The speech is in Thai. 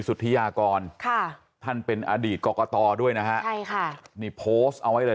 สุธิยากรค่ะท่านเป็นอดีตกรกตด้วยนะฮะใช่ค่ะนี่โพสต์เอาไว้เลย